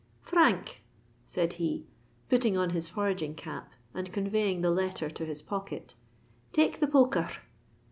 "Frank," said he, putting on his foraging cap and conveying the letter to his pocket, "take the poker r."